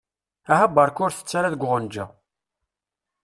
Aha beṛka ur tett ara deg uɣenǧa.